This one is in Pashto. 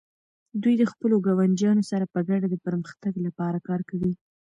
دوی د خپلو ګاونډیانو سره په ګډه د پرمختګ لپاره کار کوي.